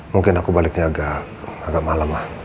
mungkin aku baliknya agak malam lah